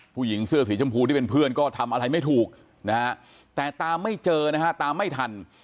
ผู้หญิงเสื้อสีชมพูที่เป็นเพื่อนก็ทำอะไรไม่ถูกนะฮะแต่ตามไม่เจอนะฮะตามไม่ทัน